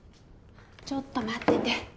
ちょっと待ってて。